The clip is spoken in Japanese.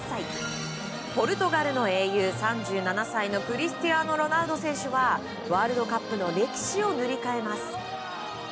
ポルトガルの英雄、３７歳のクリスティアーノ・ロナウド選手はワールドカップの歴史を塗り替えます。